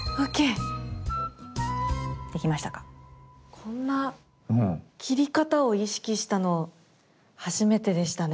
こんな切り方を意識したの初めてでしたね。